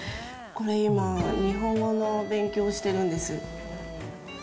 これ今、日本語の勉強をしてるんです。